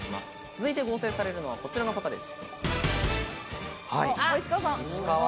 続いて合成されたのはこちらの方です。